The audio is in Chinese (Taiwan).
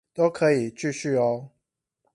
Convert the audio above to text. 都可以繼續喔